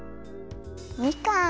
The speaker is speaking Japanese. みかん。